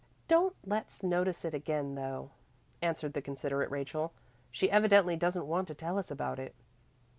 "Don't let's notice it again, though," answered the considerate Rachel. "She evidently doesn't want to tell us about it."